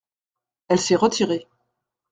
Elle s’est retirée.